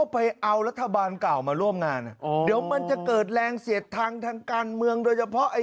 เป็นทุนภาคล่าวที่แอดหม้นประชาภาคน